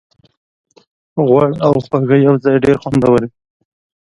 غوړ او خوږه یوځای ډېر خوندور وي.